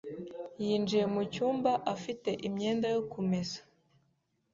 yinjiye mu cyumba afite imyenda yo kumesa.